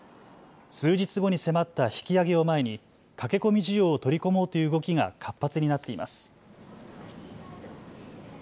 数日後に迫った引き上げを前に駆け込み需要を取り込もうという動きが活発になっています。